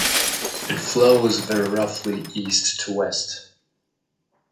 It flows very roughly east to west.